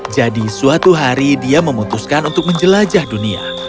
jadi suatu hari dia memutuskan untuk menjelajah dunia